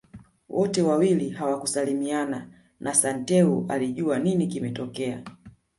Wote wawili hawakusalimiana na Santeu alijua nini kimetokea